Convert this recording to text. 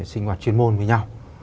sinh hoạt chuyên môn với nhau